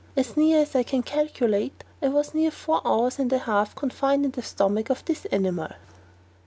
As near as I can calculate, I was near four hours and a half confined in the stomach of this animal.